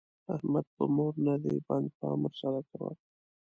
احمد په مور نه دی بند؛ پام ور سره کوه.